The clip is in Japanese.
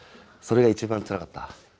それが一番つらかった。